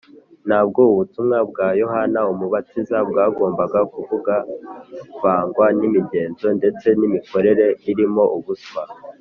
” ntabwo ubutumwa bwa yohana umubatiza bwagombaga kuvangavangwa n’imigenzo ndetse n’imikorere irimo ubuswa